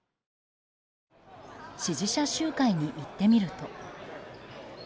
支持者集会に行ってみると。